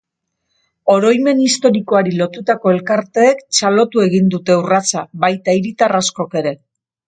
Oroimen historikoari lotutako elkarteek txalotu egin dute urratsa, baita hiritar askok ere.